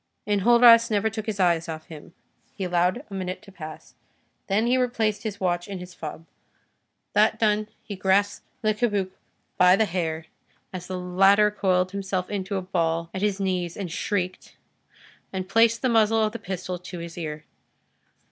Enjolras never took his eyes off of him: he allowed a minute to pass, then he replaced his watch in his fob. That done, he grasped Le Cabuc by the hair, as the latter coiled himself into a ball at his knees and shrieked, and placed the muzzle of the pistol to his ear.